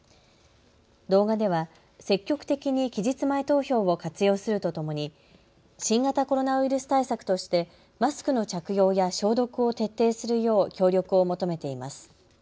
動画では積極的に期日前投票を活用するとともに新型コロナウイルス対策としてマスクの着用や消毒を徹底するよう協力を求めています。